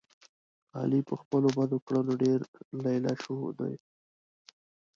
علي په خپلو بدو کړنو ډېر لیله شو دی.